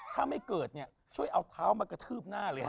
ถ้าไม่เกิดเนี่ยช่วยเอาเท้ามากระทืบหน้าเลยฮะ